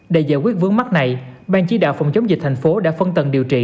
để giải quyết vướng mắt này ban chí đạo phòng chống dịch tp hcm đã phân tầng điều trị